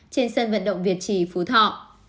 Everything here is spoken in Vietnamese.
trên sân vận động việt chỉ phú thọ